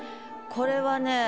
これはね